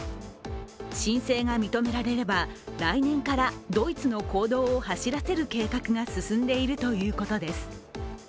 申請が認められれば来年からドイツの公道を走らせる計画が進んでいるということです。